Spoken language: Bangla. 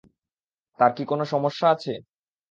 তার কি কোনো সমস্যা আছে?